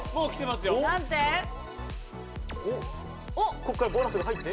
こっからボーナスが入って。